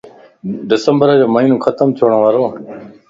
ڊسمبر جو مھينو ختم ڇڻ وارووَ